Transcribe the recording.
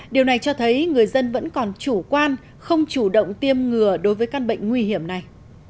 điều này cho thấy người dân vẫn còn chủ quan không chủ động tiêm ngừa đối với căn bệnh nguy hiểm này